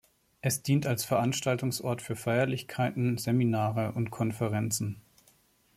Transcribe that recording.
Es dient als Veranstaltungsort für Feierlichkeiten, Seminare und Konferenzen.